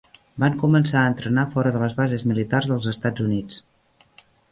Van començar a entrenar fora de les bases militars dels Estats Units.